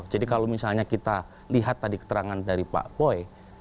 jadi kalau misalnya kita lihat tadi keterangan dari pak boy